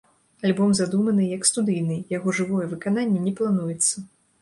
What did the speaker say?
Альбом задуманы як студыйны, яго жывое выкананне не плануецца.